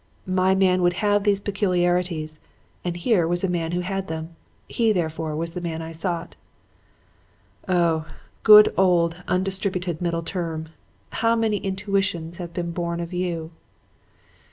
My man would have those peculiarities, and here was a man who had them. He, therefore, was the man I sought. "'O! good old "undistributed middle term!" How many intuitions have been born of you?'